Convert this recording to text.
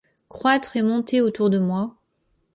Croître et monter autour de moi !